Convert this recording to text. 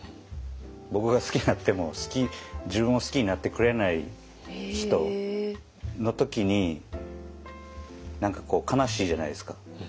僕が好きになっても自分を好きになってくれない人の時に何かこう悲しいじゃないですか。